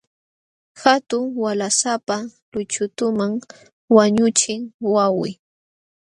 Hatun waqlasapa luychutam wañuqchin wawqii.